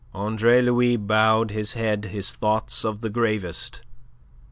Andre Louis bowed his head, his thoughts of the gravest.